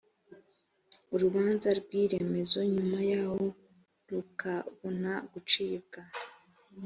urubanza rw iremezo nyuma yaho rukabona gucibwa